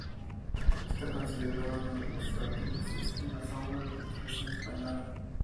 Está considerado uno de los artífices en la sombra de la Transición Española.